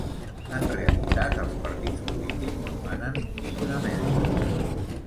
En realitat, els partits polítics no manen ni una merda.